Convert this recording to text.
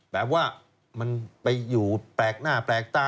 แบบว่ามันไปอยู่แปลกหน้าแปลกตา